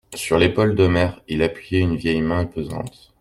Sur l'épaule d'Omer, il appuyait une vieille main pesante.